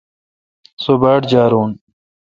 سو باڑجارون۔